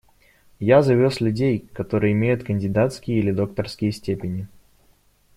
Я завез людей, которые имеют кандидатские или докторские степени.